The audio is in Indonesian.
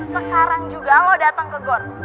sekarang juga lo dateng ke gor